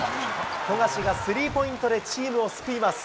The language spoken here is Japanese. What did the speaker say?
富樫がスリーポイントでチームを救います。